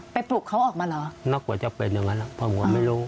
อ๋อไปปลูกเขาออกมาเหรอประมาณกว่าก็จะเป็นอย่างนั้นแผ่งก็ไม่รู้